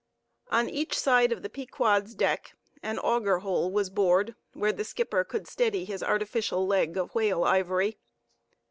On each side of the Pequod's deck an auger hole was bored, where the skipper could steady his artificial leg of whale ivory.